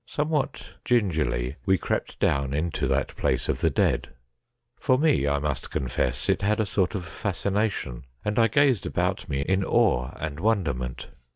Somewhat gingerly we crept down into that place of the dead. For me, I must confess, it had a sort of fascination, and I gazed about me in awe and wonderment.